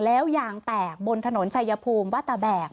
แล้วยางแตกบนถนนชายภูมิวัตตะแบก